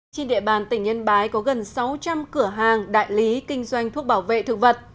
trên địa bàn tỉnh yên bái có gần sáu trăm linh cửa hàng đại lý kinh doanh thuốc bảo vệ thực vật